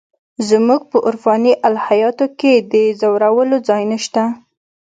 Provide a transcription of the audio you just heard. زموږ په عرفاني الهیاتو کې د ځورولو ځای نشته.